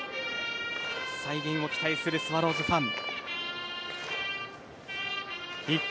再現を期待するスワローズファン。